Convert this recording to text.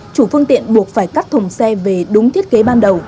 chủ phương tiện buộc phải cắt thùng xe về đúng thiết kế ban đầu